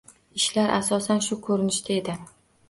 Ishlar asosan shu ko‘rinishda edi